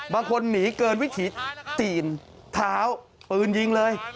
บางคนหนีเกินวิถีตีนเท้าปืนยิงเลย